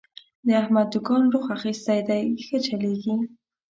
د احمد دوکان روخ اخستی دی، ښه چلېږي.